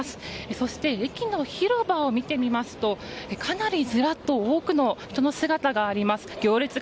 そして駅の広場を見てみますとかなりずらっと多くの人の姿があります。